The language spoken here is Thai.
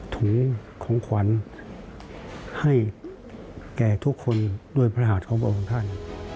ถึงของขวัญให้แก่ทุกคนด้วยพระราชของบ่งท่าน